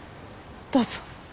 どうぞ。